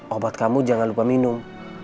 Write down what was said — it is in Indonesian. obat kamu jangan lupa minum